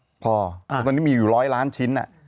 เพราะตอนนี้มีอยู่๑๐๐ล้านชิ้น